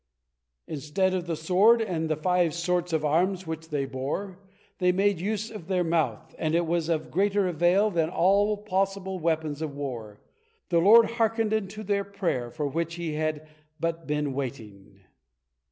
Instead of the sword and the five sorts of arms which they bore, they mad use of their mouth, and it was of greater avail than all possible weapons of war. The Lord hearkened unto their prayer, for which He had but been waiting.